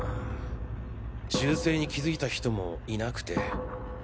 銃声に気づいた人もいなくて。